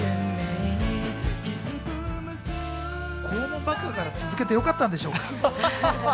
肛門爆破から続けてよかったんでしょうか。